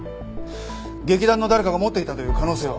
劇団の誰かが持っていたという可能性は？